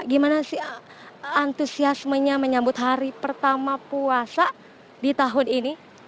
gimana sih antusiasmenya menyambut hari pertama puasa di tahun ini